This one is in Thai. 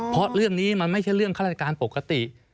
เพราะเรื่องนี้มันไม่ใช่เรื่องข้าราชการปกติ